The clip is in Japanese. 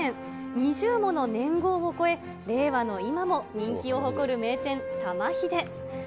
２０もの年号を超え、令和の今も人気を誇る名店、玉ひで。